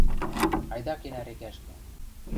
– Айда кенӓ рекӓшкӹ.